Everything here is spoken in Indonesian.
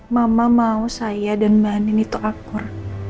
mama mau saya dan mbak anini itu akur